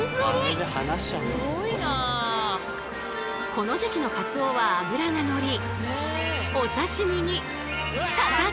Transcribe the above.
この時期のカツオは脂がのりお刺身にたたき！